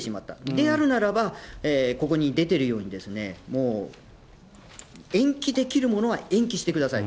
であるならば、ここに出てるように、もう、延期できるものは延期してください。